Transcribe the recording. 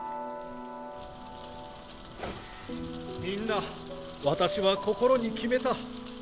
みんな私は心に決めた。